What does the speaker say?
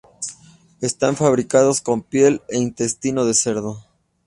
Están fabricados con piel o intestino de cerdo.